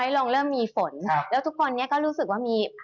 พี่หนิงครับส่วนตอนนี้เนี่ยนักลงทุนแล้วนะครับเพราะว่าระยะสั้นรู้สึกว่าทางสะดวกนะครับ